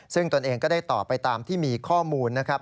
ซึ่งตนเองก็ได้ตอบไปตามที่มีข้อมูลนะครับ